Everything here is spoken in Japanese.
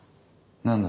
何だ。